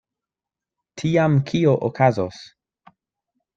Tiam kio okazos?